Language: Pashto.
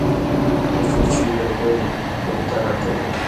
مچمچۍ د ګل ګرده راټولوي